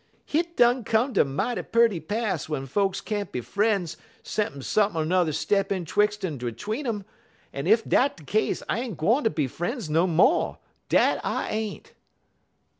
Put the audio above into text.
Hit done come ter mighty purty pass w'en folks can't be fr'en's 'ceppin' sump'n' 'n'er step in 'twix' en 'tween um, en ef dat de case I ain't gwine ter be fr'en's no mo' dat I ain't.'